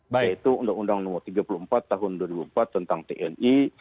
yaitu undang undang nomor tiga puluh empat tahun dua ribu empat tentang tni